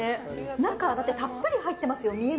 中、たっぷり入ってますよ